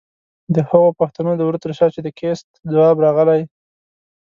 د هغو پښتنو د وره تر شا چې د کېست ځواب راغلی؛